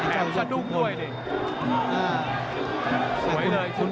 แก้งสะดุ้งด้วย